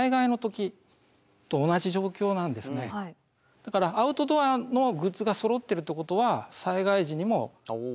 だからアウトドアのグッズがそろってるってことは災害時にも使えるってことなんですね。